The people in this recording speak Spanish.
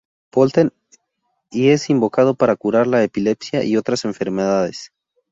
Pölten, y es invocado para curar la epilepsia y otras enfermedades.